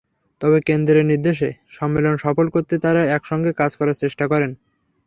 তবে কেন্দ্রের নির্দেশে সম্মেলন সফল করতে তাঁরা একসঙ্গে কাজ করার চেষ্টা করেন।